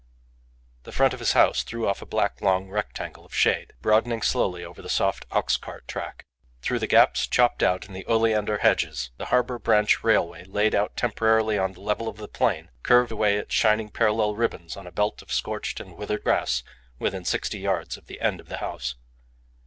The front of his house threw off a black long rectangle of shade, broadening slowly over the soft ox cart track. Through the gaps, chopped out in the oleander hedges, the harbour branch railway, laid out temporarily on the level of the plain, curved away its shining parallel ribbons on a belt of scorched and withered grass within sixty yards of the end of the house.